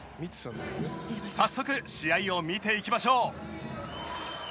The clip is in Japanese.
早速、試合を見ていきましょう。